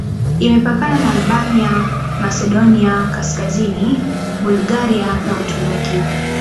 Imepakana na Albania, Masedonia Kaskazini, Bulgaria na Uturuki.